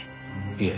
いえ。